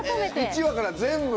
１話から全部？